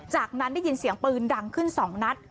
จากนั้นได้ยินเสียงปืนดังขึ้น๒นัด